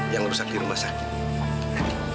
yang rusak di rumah sakit